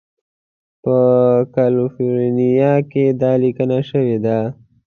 په کالیفورنیا کې دا لیکنه شوې ده.